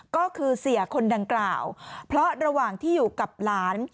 ก็คือเสียคนดังกล่าวเพราะระหว่างที่อยู่กับหลาน